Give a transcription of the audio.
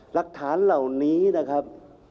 หลักฐานเหล่านี้นะครับ